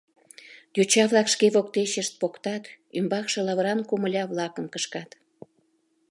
Йоча-влак шке воктечышт поктат, ӱмбакше лавыран комыля-влакым кышкат.